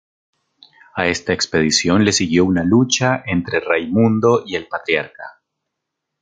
A esta expedición le siguió una lucha entre Raimundo y el Patriarca.